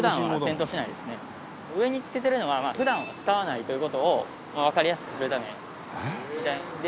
上に付けてるのは普段は使わないという事をわかりやすくするためみたいなので。